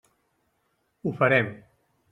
Ho farem.